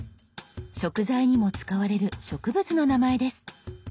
食材にも使われる植物の名前です。